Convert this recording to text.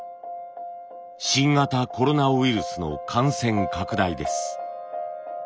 新型コロナウイルスの感染拡大です。